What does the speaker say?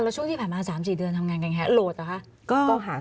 แล้วช่วงที่ผ่านมา๓๔เดือนทำงานกันคะโหลดเหรอคะ